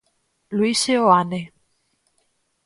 Luis Seoane.